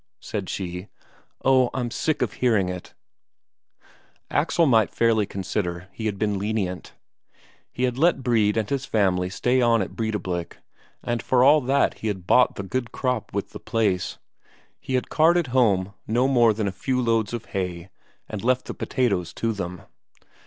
said she. "Oh, I'm sick of hearing it." Axel might fairly consider he had been lenient; he had let Brede and his family stay on at Breidablik, and for all that he had bought the good crop with the place, he had carted home no more than a few loads of hay, and left the potatoes to them.